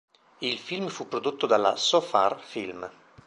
Il film fu prodotto dalla Sofar-Film.